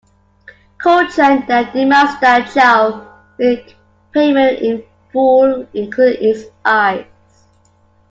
Ko Chun then demands that Chau make payment in full, including his eyes.